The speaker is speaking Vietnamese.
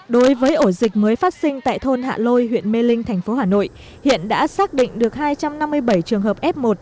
đối với ổ dịch mới phát sinh tại thôn hạ lôi huyện mê linh tp hcm hiện đã xác định được hai trăm năm mươi bảy trường hợp f một